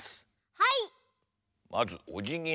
はい。